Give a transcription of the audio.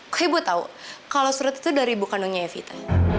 kok ibu tahu kalau surat itu dari ibu kandungnya evita